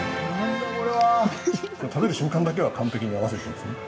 食べる瞬間だけは完璧に合わせたんですね。